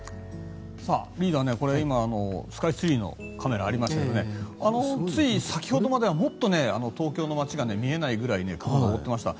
リーダースカイツリーのカメラがありましたがつい先ほどまではもっと東京の街が見えないぐらい雲が覆っていました。